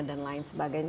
dan lain sebagainya